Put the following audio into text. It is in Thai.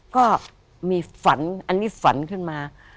ก็มีฝันอันนี้ฝันขึ้นมา